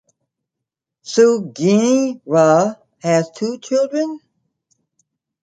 Sugiura has two children.